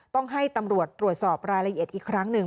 ต้องให้ตำรวจตรวจสอบรายละเอียดอีกครั้งหนึ่ง